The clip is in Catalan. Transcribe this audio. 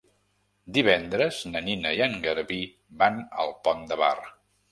Divendres na Nina i en Garbí van al Pont de Bar.